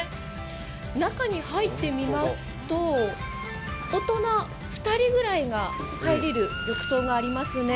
中に入ってみますと、大人２人ぐらいが入れる浴槽がありますね。